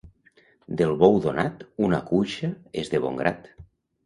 Del bou donat, una cuixa és de bon grat.